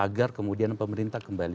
agar kemudian pemerintah kembali